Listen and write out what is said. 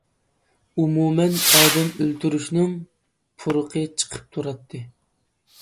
ئومۇمەن ئادەم ئۆلتۈرۈشنىڭ پۇرىقى چىقىپ تۇراتتى.